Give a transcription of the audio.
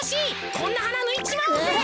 こんなはなぬいちまおうぜ。